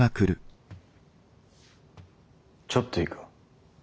ちょっといいか。